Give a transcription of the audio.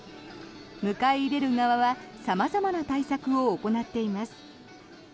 迎え入れる側は様々な対策を行っています。